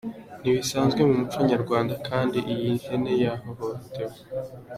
Ntibisanzwe mu muco nyarwanda kandi iyi hene yahohotewe.